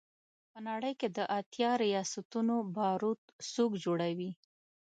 په نړۍ کې د اتیا ریاستونو بارود څوک جوړوي.